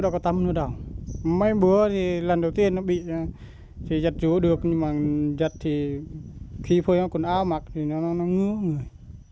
khi phơi áo quần áo mặc thì nó ngứa người